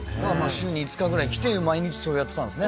週に５日ぐらい来て毎日そうやってたんですね